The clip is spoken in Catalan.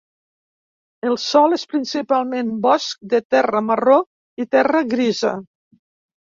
El sòl és principalment bosc de terra marró i terra grisa.